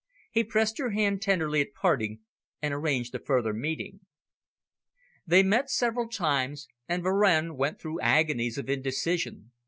He pressed her hand tenderly at parting, and arranged a further meeting. They met several times, and Varenne went through agonies of indecision.